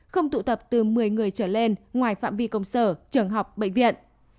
không tụ tập từ một mươi người trở lên ngoài phạm vi công sở trường học bệnh viện